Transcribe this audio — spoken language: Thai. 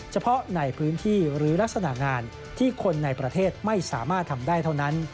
เฉพาะในพื้นที่หรือลักษณะงานที่คนในประเทศไม่สามารถทำได้เท่านั้น